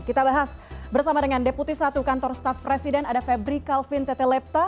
kita bahas bersama dengan deputi satu kantor staff presiden ada febri kalvin tetelepta